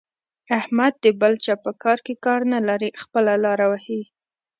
احمد د بل چا په کار کې کار نه لري؛ خپله لاره وهي.